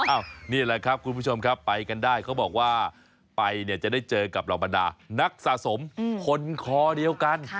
นี่แหละครับคุณผู้ชมครับไปกันได้เขาบอกว่าไปเนี่ยจะได้เจอกับเหล่าบรรดานักสะสมคนคอเดียวกัน